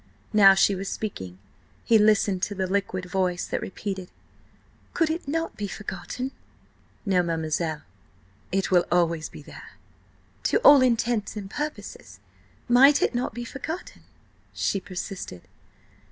Now she was speaking: he listened to the liquid voice that repeated: "Could it not be forgotten?" "No, mademoiselle. It will always be there." "To all intents and purposes, might it not be forgotten?" she persisted.